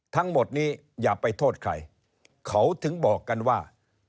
ทั้งหมดนี้อย่าไปโทษใครเขาถึงบอกกันว่า